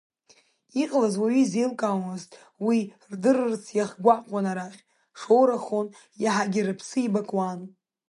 Иҟалаз уаҩы изеилкаауамызт, уи рдырырц иахгәаҟуан, арахь шоурахон, иаҳагьы рԥсы еибакуан.